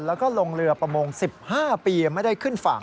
แล้วก็ลงเรือประมง๑๕ปีไม่ได้ขึ้นฝั่ง